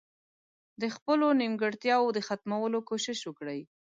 د خپلو نيمګړتياوو د ختمولو کوشش وکړي.